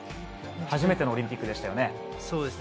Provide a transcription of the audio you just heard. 初めてのオリンピックでしたよね。